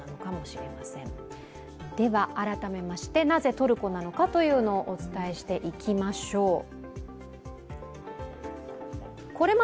なぜトルコなのかというのをお伝えしていきましょう。